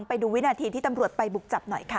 ไปดูวินาทีที่ตำรวจไปบุกจับหน่อยค่ะ